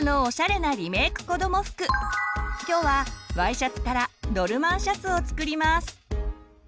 今日はＹシャツから「ドルマンシャツ」を作ります。